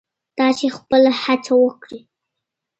تاسې خپله هڅه وکړئ.